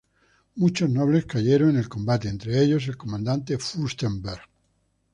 Muchos nobles cayeron en el combate, entre ellos el comandante Fürstenberg.